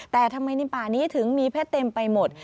แต่ทำไมในป่านี้ถึงมีเพชรเต็มไปหมด